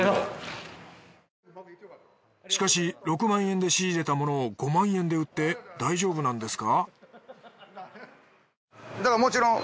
しかし６万円で仕入れたものを５万円で売って大丈夫なんですか？